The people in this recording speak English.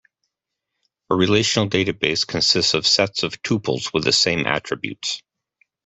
A relational database consists of sets of tuples with the same attributes.